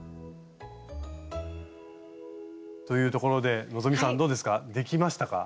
というところで希さんどうですか？できましたか？